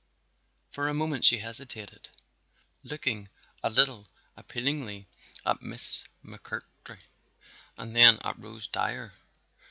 For a moment she hesitated, looking a little appealingly at Miss McMurtry and then at Rose Dyer.